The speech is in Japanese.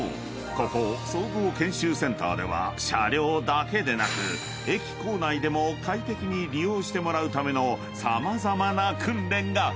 ここ総合研修センターでは車両だけでなく駅構内でも快適に利用してもらうための様々な訓練が］